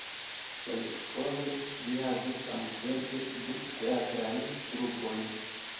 Kelkfoje li havis samtempe du teatrajn trupojn.